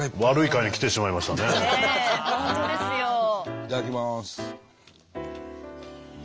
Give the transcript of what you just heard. いただきます。